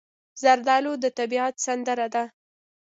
زردالو د طبیعت سندره ده.